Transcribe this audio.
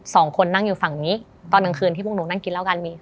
สองคนนั่งอยู่ฝั่งนี้ตอนกลางคืนที่พวกหนูนั่งกินเหล้ากันมี